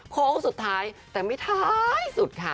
โค้งสุดท้ายแต่ไม่ท้ายสุดค่ะ